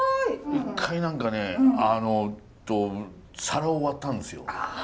一回何かね皿を割ったんですよ。